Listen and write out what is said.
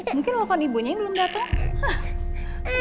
mungkin lepon ibunya yang belum datang